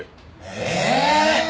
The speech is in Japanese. ええ！？